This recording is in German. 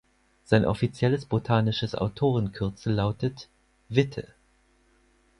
Sein offizielles botanisches Autorenkürzel lautet „Witte“.